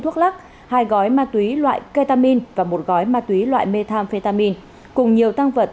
thuốc lắc hai gói ma túy loại ketamin và một gói ma túy loại methamphetamine cùng nhiều tăng vật